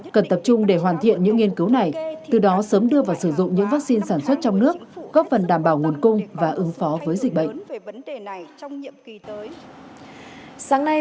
cần tập trung để hoàn thiện những nghiên cứu này từ đó sớm đưa vào sử dụng những vaccine sản xuất trong nước góp phần đảm bảo nguồn cung và ứng phó với dịch bệnh